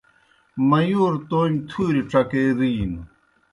میُوݩر تومیْ تُھوریْ ڇکے رِینوْ